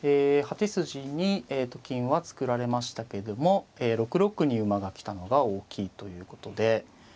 ８筋にと金は作られましたけども６六に馬が来たのが大きいということで。